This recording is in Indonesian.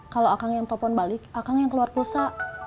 kalau akang yang telfon balik akang yang keluar pulsa